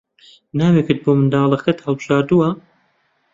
ناوێکت بۆ منداڵەکەت هەڵبژاردووە؟